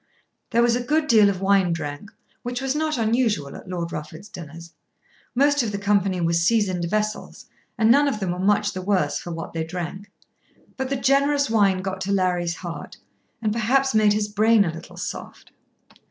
There was a good deal of wine drank, which was not unusual at Lord Rufford's dinners. Most of the company were seasoned vessels, and none of them were much the worse for what they drank. But the generous wine got to Larry's heart, and perhaps made his brain a little soft.